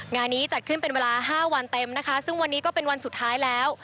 งานนี้จัดขึ้นเป็นเวลา๕วันเต็มนะคะซึ่งวันนี้ก็เป็นวันสุดท้ายแล้ว